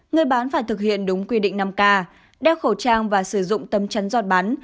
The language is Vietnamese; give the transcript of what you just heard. người bán phải thực hiện đúng quy định năm k đeo khẩu trang và sử dụng tấm chắn giọt bắn